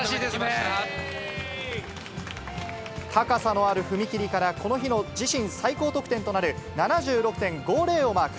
高さのある踏み切りから、この日の自身最高得点となる、７６．５０をマーク。